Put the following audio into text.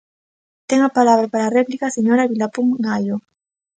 Ten a palabra para a réplica a señora Vilapún Gaio.